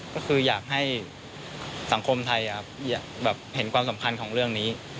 ก็คืออยากให้สังคมไทยเห็นความสำคัญของเรื่องนี้